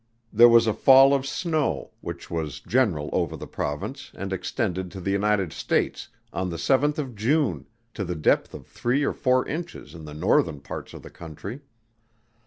There was a fall of snow, which was general over the Province and extended to the United States, on the 7th June, to the depth of three or four inches in the northern parts of the country.